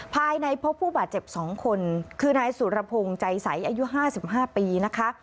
ภายในพบผู้บาดเจ็บ๒คนคือนายสุรพงศ์ใจใสอายุ๕๕ปีนะคะ